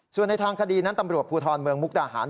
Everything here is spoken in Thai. ส่วนในทางคดีนั้นตำรวจภูทรเมืองมุกดาหาร